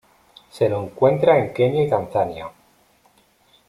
Se lo encuentra en Kenia y Tanzania.